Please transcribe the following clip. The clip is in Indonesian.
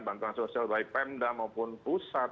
bantuan sosial baik pemda maupun pusat